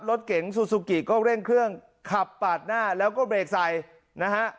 รถเก๋งซูซูกิก็เร่งเครื่องขับปาดหน้าแล้วก็เบรกใส่นะฮะ